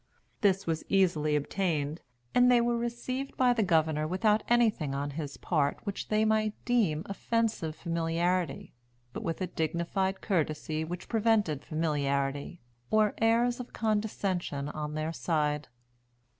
This was easily obtained, and they were received by the Governor without anything on his part which they might deem offensive familiarity, but with a dignified courtesy which prevented familiarity, or airs of condescension, on their side.